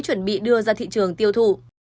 chuẩn bị đưa ra thị trường tiêu thụ